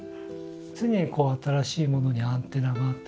常に新しいものにアンテナがあってですね